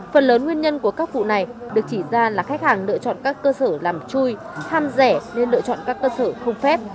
phần lớn nguyên nhân của các vụ này được chỉ ra là khách hàng lựa chọn các cơ sở làm chui ham rẻ nên lựa chọn các cơ sở không phép